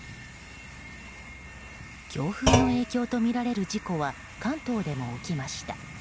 強風の影響とみられる事故は関東でも起きました。